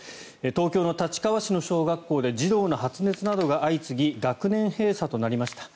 東京の立川市の小学校で児童の発熱などが相次ぎ学年閉鎖となりました。